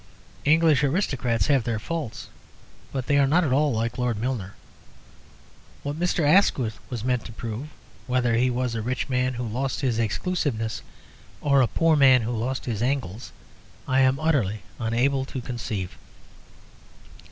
English aristocrats have their faults, but they are not at all like Lord Milner. What Mr. Asquith was meant to prove, whether he was a rich man who lost his exclusiveness, or a poor man who lost his angles, I am utterly unable to conceive.